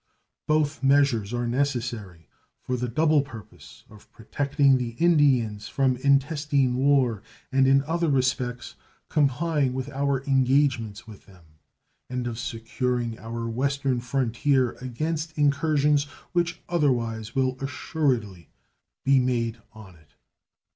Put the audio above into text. Both measures are necessary, for the double purpose of protecting the Indians from intestine war, and in other respects complying with our engagements with them, and of securing our western frontier against incursions which otherwise will assuredly be made on it.